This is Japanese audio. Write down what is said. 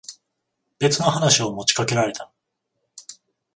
別の話を持ちかけられた。